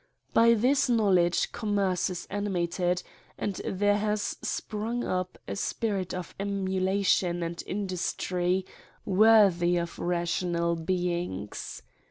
Bv this know ledge commerce is animated, and there has sprung up a spirit ofemulation and industry, wor INTRODUCTION. xiii lliy of rational beings.